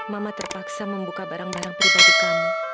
mama terpaksa membuka barang barang pribadi kami